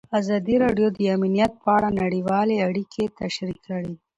ازادي راډیو د امنیت په اړه نړیوالې اړیکې تشریح کړي.